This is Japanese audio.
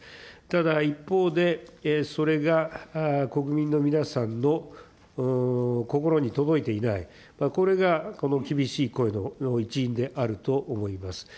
ただ、一方で、それが国民の皆さんの心に届いていない、これが、この厳しい声の一因であると思います。